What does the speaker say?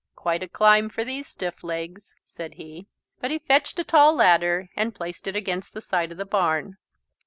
"Quite a climb for these stiff legs," said he. But he fetched a tall ladder and placed it against the side of the barn.